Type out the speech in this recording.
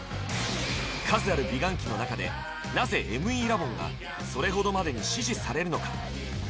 数ある美顔器のなかでなぜＭＥラボンがそれほどまでに支持されるのか